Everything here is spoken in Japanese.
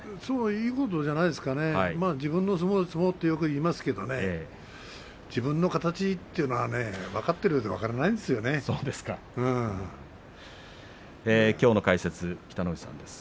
いいことじゃないですかね、自分の相撲とよく言いますけれども自分の形というのは分かっているきょうの解説北の富士さんです。